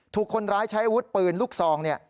ถูกคนร้ายใช้อาวุธปืนลูกซองเนี่ย